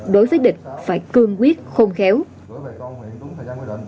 đối với địch phải cương quyết khôn khéo